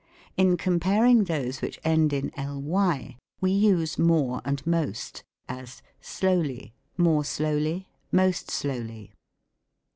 In comparing those which end in ly, we use more and most : as, slowly, more slowly, most slowly.